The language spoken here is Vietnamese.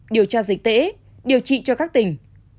điều tra dịch tễ điều trị cho các tỉnh